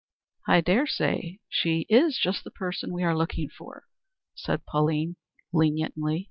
"I dare say she is just the person we are looking for," said Pauline, leniently.